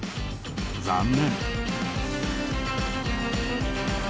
残念。